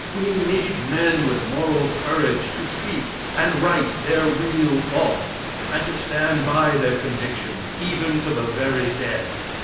We need men with moral courage to speak and write their real thoughts, and to stand by their convictions, even to the very death.